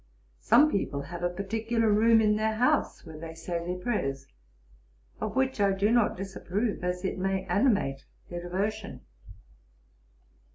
Some people have a particular room in their house, where they say their prayers; of which I do not disapprove, as it may animate their devotion.'